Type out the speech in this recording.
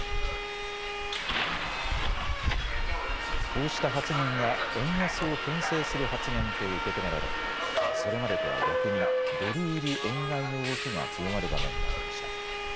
こうした発言が円安をけん制する発言と受け止められそれまでとは逆にドル売り円買いの動きが強まる場面もありました。